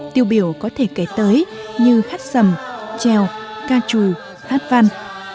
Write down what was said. tiêu biểu có thể kể tới như hát sầm treo ca trù hát văn